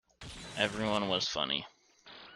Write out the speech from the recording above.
Everyone was funny.